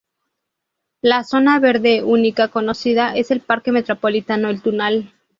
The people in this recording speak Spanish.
La zona verde única conocida es el Parque Metropolitano El Tunal.